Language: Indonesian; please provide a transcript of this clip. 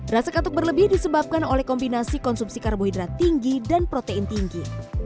rasa katuk berlebih disebabkan oleh kombinasi konsumsi karbohidrat tinggi dan protein tinggi